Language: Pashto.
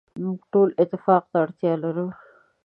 موږ ټول اتفاق ته اړتیا لرو.